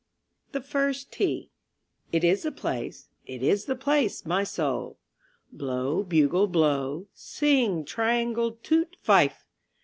THE FIRST TEE (MULLION) It is the place, it is the place, my soul! (Blow, bugle, blow; sing, triangle; toot, fife!)